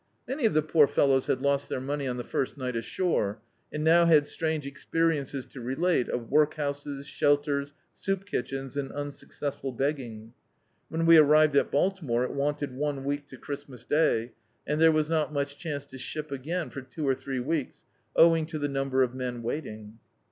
Many of the poor fellows had lost their money on the first night ashore, and now had strange ex periences to relate of workhouses, shelters, soup kitchens, and unsuccessful begging. When we ar rived at Baltimore it wanted one week to Christmas Day, and there was not much chance to ship again for two or three weeks, owing to the number of men waiting.